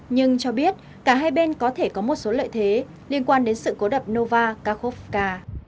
nhưng cho biết cả hai bên có thể có một số lợi thế liên quan đến sự cố đập nova kakhofka